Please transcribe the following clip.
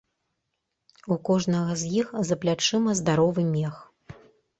У кожнага з іх за плячыма здаровы мех.